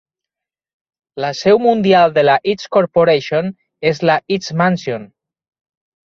La seu mundial de la X-Corporation és la X-Mansion.